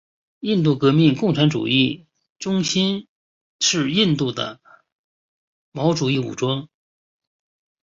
印度革命共产主义中心是印度的毛主义武装。